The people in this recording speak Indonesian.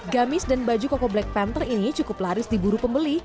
gamis dan baju koko black panther ini cukup laris diburu pembeli